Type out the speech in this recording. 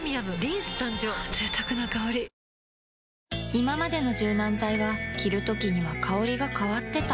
いままでの柔軟剤は着るときには香りが変わってた